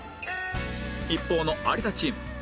一方の有田チーム